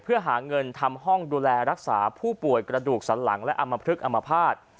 เพื่อหาเงินทำห้องดูแลรักษาผู้ป่วยกระดูกสันหลังและอำมพลึกอมภาษณ์